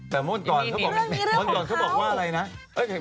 แต่เมื่อก่อนเขาบอกว่าอะไรนะเรื่องนี้เรื่องของเขา